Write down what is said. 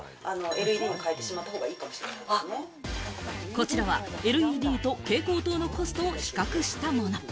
こちらはＬＥＤと蛍光灯のコストを比較したもの。